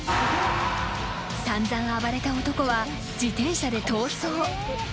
［散々暴れた男は自転車で逃走］